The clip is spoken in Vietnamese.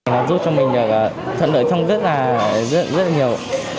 nó giúp cho mình thận đổi thông rất là nhiều